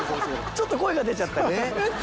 ちょっと声が出ちゃったね。